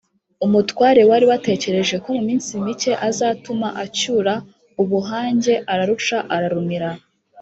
umutware wari watekereje ko mu minsi mike azatuma acyura ubuhange, araruca ararumira